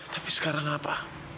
tapi sekarang apa